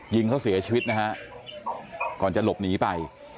ยิงเขาเสียชีวิตนะฮะก่อนจะหลบหนีไป